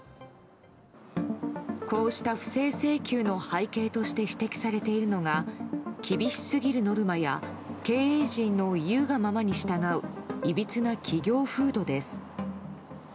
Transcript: こうした不正請求の背景として指摘されているのが厳しすぎるノルマや経営陣の言うがままに従ういびつな企業風土です。